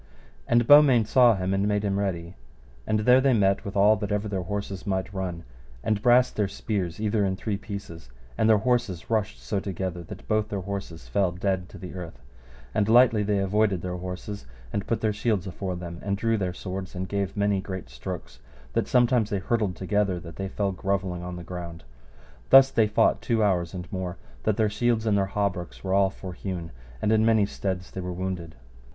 And Beaumains saw him and made him ready, and there they met with all that ever their horses might run, and brast their spears either in three pieces, and their horses rushed so together that both their horses fell dead to the earth; and lightly they avoided their horses and put their shields afore them, and drew their swords, and gave many great strokes that sometime they hurtled together that they fell grovelling on the ground. Thus they fought two hours and more, that their shields and their hauberks were all forhewen, and in many steads they were wounded.